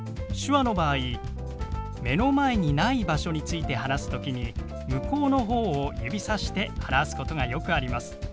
手話の場合目の前にない場所について話す時に向こうの方を指さして表すことがよくあります。